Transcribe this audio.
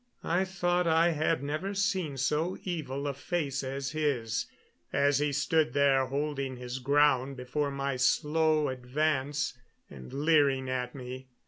I thought I had never seen so evil a face as his, as he stood there, holding his ground before my slow advance, and leering at me.